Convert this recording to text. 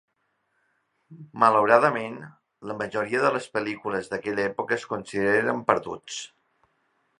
Malauradament, la majoria de les pel·lícules d'aquella època es consideren perduts.